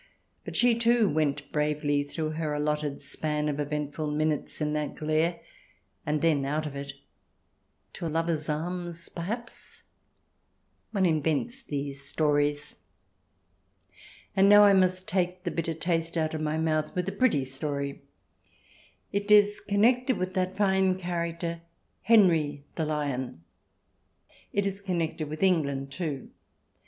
But she, too, went bravely through her allotted span of eventful minutes in that glare, and then out CH. XII] LIONS AND LACE CURTAINS 171 of it — to a lover's arms, perhaps ? One invents these stories. And now I must take the bitter taste out of my mouth with a pretty story. It is connected with that fine character, Henry the Lion. It is connected with England, too.